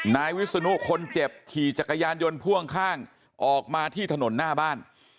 นายวิศนุคนเจ็บขี่จักรยานยนต์พ่วงข้างออกมาที่ถนนหน้าบ้าน